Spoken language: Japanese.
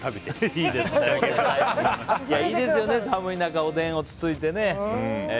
いいですよね、寒い中おでんをつついてね。